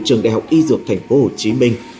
trường đại học y dược thành phố hồ chí minh